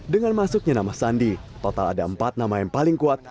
dengan masuknya nama sandi total ada empat nama yang paling kuat